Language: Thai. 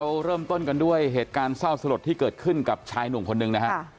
เราเริ่มต้นกันด้วยเหตุการณ์เศร้าสลดที่เกิดขึ้นกับชายหนุ่มคนหนึ่งนะฮะ